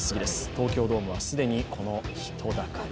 東京ドームは既にこの人だかり。